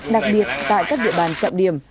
đặc biệt tại các địa bàn trọng điểm